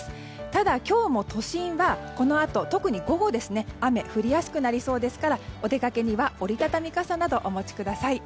ただ今日も都心はこのあと特に午後雨が降りやすくなりそうですからお出かけには折り畳み傘などお持ちください。